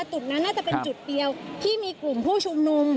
จุดนั้นน่าจะเป็นจุดเดียวที่มีกลุ่มผู้ชุมนุม